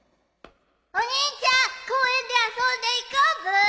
お兄ちゃん公園で遊んでいこうブー！